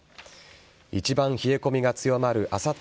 一番冷え込みが強まるあさって